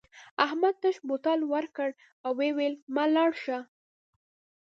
احمد تش بوتل ورکړ او وویل مه لاړ شه.